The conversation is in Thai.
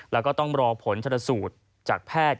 และก็ต้องรอผลศูนย์จากแพทย์